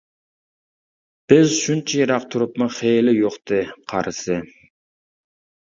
بىز شۇنچە يىراق تۇرۇپمۇ خېلى يۇقتى «قارىسى» !